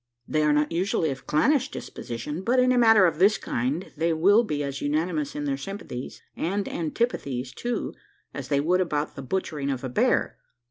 They are not usually of a clannish disposition; but, in a matter of this kind, they will be as unanimous in their sympathies, and antipathies too, as they would about the butchering of a bear.